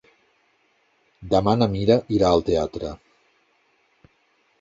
Demà na Mira irà al teatre.